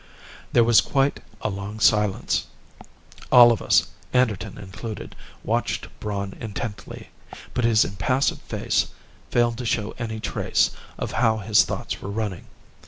There was quite a long silence. All of us, Anderton included, watched Braun intently, but his impassive face failed to show any trace of how his thoughts were running.